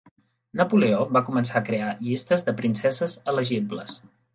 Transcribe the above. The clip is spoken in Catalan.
Napoleó va començar a crear llistes de princeses elegibles.